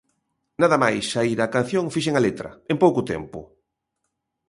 Nada máis saír a canción fixen a letra, en pouco tempo.